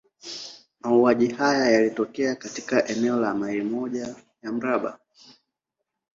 Mauaji haya yalitokea katika eneo la maili moja ya mraba.